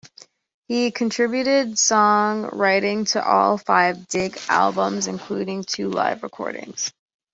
He contributed song writing to all five dig albums including two live recordings.